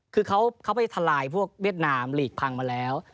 คือเขาไปทลายพวกเวียดนามหลีกพังมาแล้ว